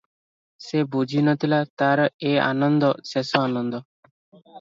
ସେ ବୁଝି ନଥିଲା, ତାର ଏ ଆନନ୍ଦ ଶେଷ ଆନନ୍ଦ ।